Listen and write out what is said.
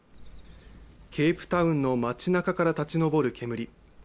ケープタウンの街なかから立ち上る煙。